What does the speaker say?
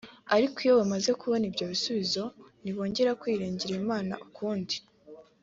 ariko iyo bamaze kubona ibyo bisubizo ntibongera kwiringira Imana ukundi